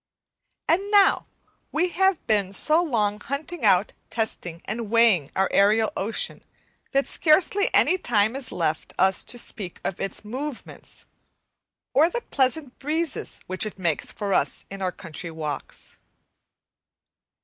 And now we have been so long hunting out, testing and weighing our aerial ocean, that scarcely any time is left us to speak of its movements or the pleasant breezes which it makes for us in our country walks.